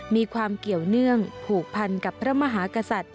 มีความเกี่ยวเนื่องผูกพันกับพระมหากษัตริย์